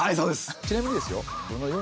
ちなみにですよ